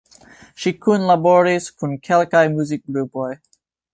Ŝi kunlaboris kun kelkaj muzikgrupoj.